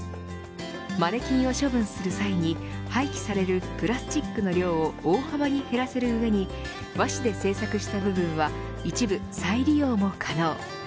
マネキンを処分する際に廃棄されるプラスチックの量を大幅に減らせる上に和紙で制作した部分は一部再利用も可能。